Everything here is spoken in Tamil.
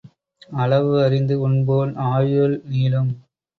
அளவு அறிந்து உண்போன் ஆயுள் நீளும்.